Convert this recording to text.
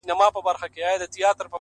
• نازولې د بادار یم معتبره ,